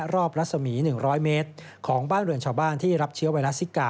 รัศมี๑๐๐เมตรของบ้านเรือนชาวบ้านที่รับเชื้อไวรัสซิกา